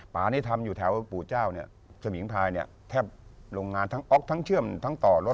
ป่านี่ทำอยู่แถวปู่เจ้าเนี่ยสมิงพายเนี่ยแทบโรงงานทั้งอ๊อกทั้งเชื่อมทั้งต่อรถ